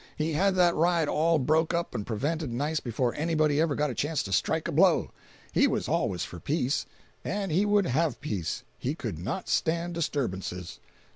He had that riot all broke up and prevented nice before anybody ever got a chance to strike a blow. He was always for peace, and he would have peace—he could not stand disturbances.